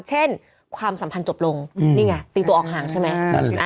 ความสัมพันธ์จบลงนี่ไงตีตัวออกห่างใช่ไหม